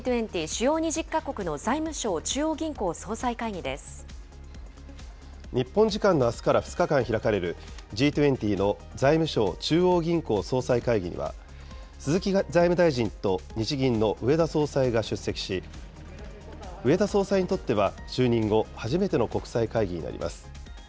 主要２０か国の財務相・日本時間のあすから２日間開かれる、Ｇ２０の財務相・中央銀行総裁会議には、鈴木財務大臣と日銀の植田総裁が出席し、植田総裁にとっては就任後初めての国際会議になります。